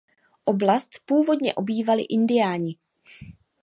Oblast původně obývali Indiáni.